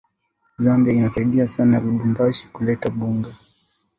Zambia inasaidia sana lubumbashi kuleta bunga